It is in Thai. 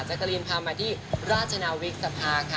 กะรีนพามาที่ราชนาวิกสภาค่ะ